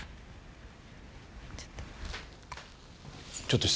ちょっと。